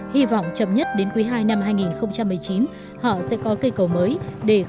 hy vọng chậm nhất đến quý ii năm hai nghìn một mươi chín họ sẽ có cây cầu mới để không còn biệt lập về giao thông như thế này